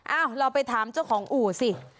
เราไปถามเจ้าของอู่สิ